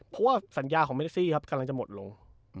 เพราะว่าสัญญาของเมซี่ครับกำลังจะหมดลง